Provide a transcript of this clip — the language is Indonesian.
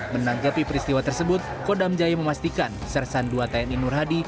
menanggapi peristiwa tersebut kodam jaya memastikan sersan ii tni nur hadi